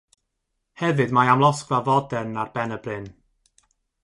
Hefyd mae amlosgfa fodern ar ben y bryn.